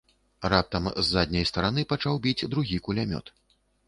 Раптам з задняй стараны пачаў біць другі кулямёт.